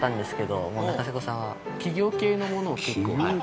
企業系のものを結構はい。